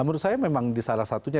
menurut saya memang di salah satunya